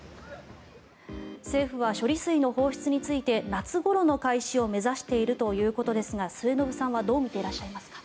政府は処理水の放出について夏ごろの開始を目指しているということですが末延さんはどう見ていらっしゃいますか。